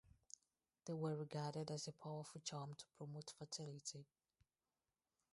They were regarded as a powerful charm to promote fertility.